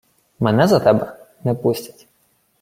— Мене за тебе не пустять.